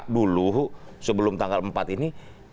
dulu sebelum tanggal empat ini